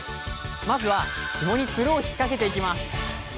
まずはひもにつるを引っ掛けていきます